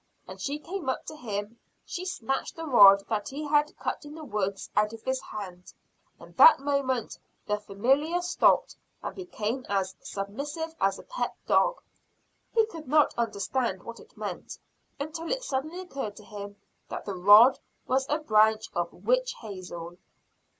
As she came up to him she snatched a rod that he had cut in the woods, out of his hand, and that moment the familiar stopped and became as submissive as a pet dog. He could not understand what it meant, until it suddenly occurred to him that the rod was a branch of witch hazel!